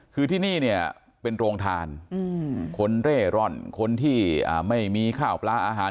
คือที่นี่เนี่ยเป็นโรงทานคนเร่ร่อนคนที่ไม่มีข้าวปลาอาหาร